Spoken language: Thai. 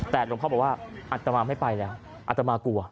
แต่หลวงพ่อบอกว่าอัตมาไม่ไปแล้วอัตมากลัว